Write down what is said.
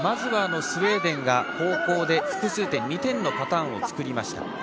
スウェーデンが後攻で複数点、２点のパターンを作りました。